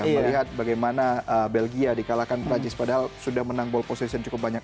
melihat bagaimana belgia dikalahkan perancis padahal sudah menang ball position cukup banyak